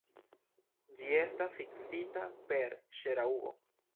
Ĝi estas fiksita per ŝraŭbo.